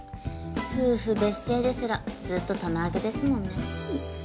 夫婦別姓ですらずっと棚上げですもんね。